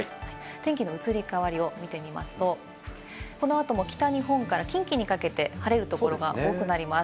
天気の移り変わりを見てみますと、このあとも北日本から近畿にかけて晴れるところが多くなります。